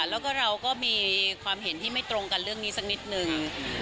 แล้วก็เราก็มีความเห็นที่ไม่ตรงกันเรื่องนี้สักนิดนึง